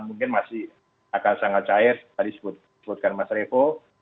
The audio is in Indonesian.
mungkin masih akan sangat cair tadi disebutkan mas revo